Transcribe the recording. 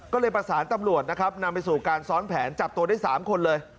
ก็เลยประสานตำรวจนะครับนำไปสู่การซ้อนแผนจับตัวได้๓คนเลย